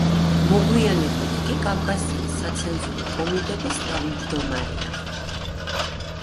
მოგვიანებით კი კავკასიის საცენზურო კომიტეტის თავჯდომარეა.